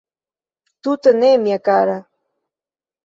Tute ne, mia kara.